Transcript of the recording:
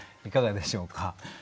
いかがでしょうか？